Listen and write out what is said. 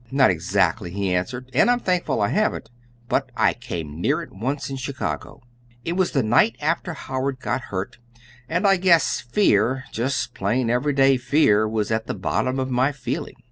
"Not exactly," he answered, "and I'm thankful I haven't, but I came near it once in Chicago. It was the night after Howard got hurt, and I guess fear just plain, every day fear was at the bottom of my feeling.